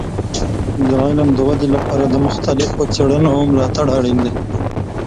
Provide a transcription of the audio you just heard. د علم د ودې لپاره د مختلفو څیړنو ملاتړ اړین دی.